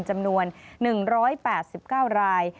จำนวน๑๘๙ราย